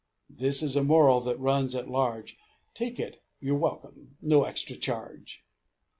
(This is a moral that runs at large; Take it You're welcome No extra charge.)